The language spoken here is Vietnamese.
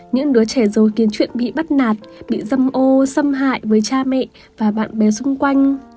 những đứa trẻ rồi kiến chuyện bị bắt nạt bị dâm ô xâm hại với cha mẹ và bạn bè xung quanh